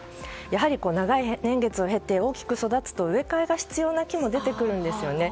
やはり長い年月を経て大きく育つと植え替えが必要な木も出てくるんですよね。